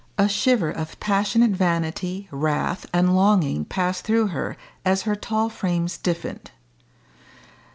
A shiver of passionate vanity, wrath, and longing passed through her as her tall frame stiffened.